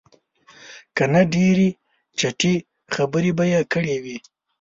که نه ډېرې چټي خبرې به یې کړې وې.